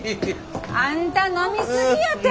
あんた飲み過ぎやて！